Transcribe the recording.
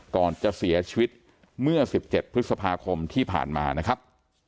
ก่อนจะเสียชีวิตเมื่อ๑๗พฤษภาคมที่ผ่านมานะครับ